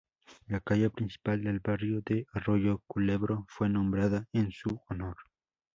La calle principal del barrio de Arroyo Culebro fue nombrada en su honor.